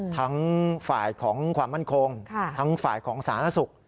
ทั้งฝ่ายของความมั่นคงทั้งฝ่ายของสาธารณสุข